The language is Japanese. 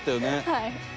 はい。